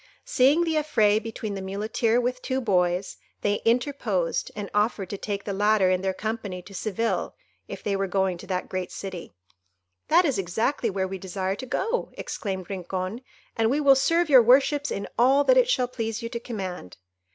Seeing the affray between the Muleteer with two boys, they interposed, and offered to take the latter in their company to Seville, if they were going to that city. "That is exactly where we desire to go," exclaimed Rincon, "and we will serve your worships in all that it shall please you to command."